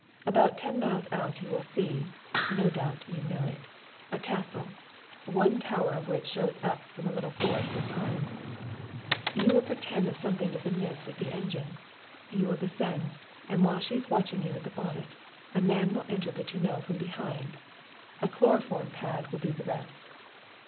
About ten miles out you will see no doubt you know it a castle, one tower of which shows up from a little forest of pines. "You will here pretend that something is amiss with the engine. You will descend, and while she is watching you at the bonnet, a man will enter the tonneau from behind. A chloroform pad will do the rest.